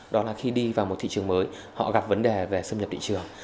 đó là khi đi vào một thị trường mới họ gặp vấn đề về xâm nhập thị trường